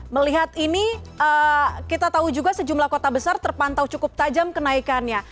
melihat ini kita tahu juga sejumlah kota besar terpantau cukup tajam kenaikannya